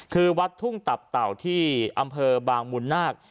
คือวัดทุ่งตับเต่าที่อำเภอบางมูลนาค